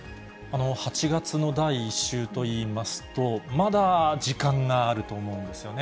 ８月の第１週といいますと、まだ時間があると思うんですよね。